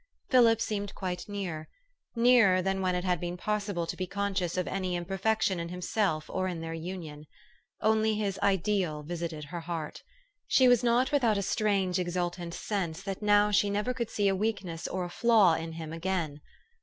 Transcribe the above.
Philip seemed quite near, nearer than when it had been possible to be conscious of any imperfection in himself or in their union. Only his ideal visited her heart. She was THE STORY OF AVIS. 443 not without a strange, exultant sense that now she never could see a weakness or a flaw in him again.